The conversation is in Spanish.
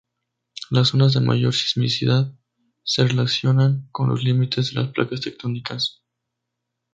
Las zonas de mayor sismicidad se relacionan con los límites de las placas tectónicas.